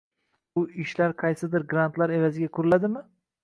bu ishlar qaysidir grantlar evaziga quriladimi